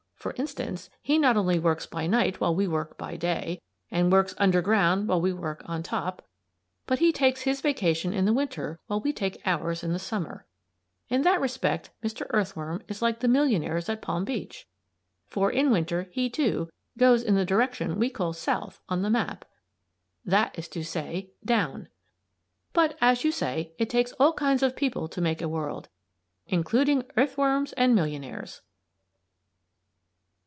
For instance, he not only works by night while we work by day, and works underground while we work on top, but he takes his vacation in the Winter while we take ours in Summer. In that respect Mr. Earthworm is like the millionaires at Palm Beach; for in Winter he, too, goes in the direction we call south on the map that is to say down. But, as you say, it takes all kinds of people to make a world; including earthworms and millionaires!